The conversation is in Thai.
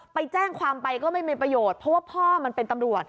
ไปแจ้งความไปก็ไม่มีประโยชน์เพราะว่าพ่อมันเป็นตำรวจ